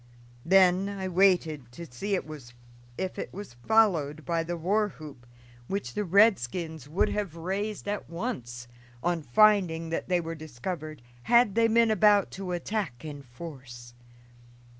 Then I waited to see if it was followed by the war whoop, which the redskins would have raised at once, on finding that they were discovered, had they been about to attack in force.